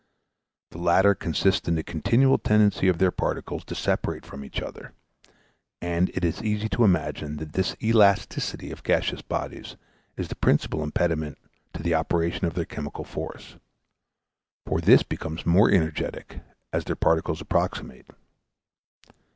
The latter consists in the continual tendency of their particles to separate from each other; and it is easy to imagine that this elasticity of gaseous bodies is the principal impediment to the operation of their chemical force; for this becomes more energetic as their particles approximate.